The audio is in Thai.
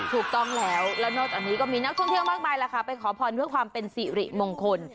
ถูกต้องแล้วแล้วนอกจากนี้ก็มีนักท่องเที่ยวมากมายแหละค่ะไปขอพรเพื่อความเป็นสิริมงคล